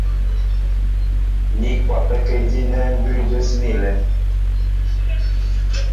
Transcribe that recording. Ní kwapɛ́kɛ́ idí' nɛ́ mbʉ́ʉ́ jə́síní a lɛ́n.